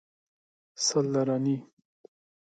څلرنۍ